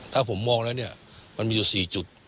ถ้าผมมองแล้วเนี่ยมันมีอยู่๔จุด